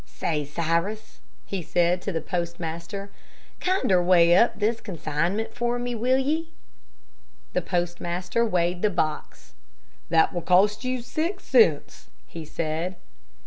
"Say, Cyrus," he said to the postmaster, "kinder weigh up this consignment for me, will ye?" The postmaster weighed the box. "That will cost you six cents," he said.